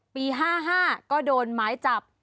ปี๕๕ก็โดนหมายจับ